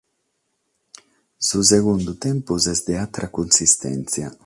Su segundu tempus est de àtera cunsistèntzia.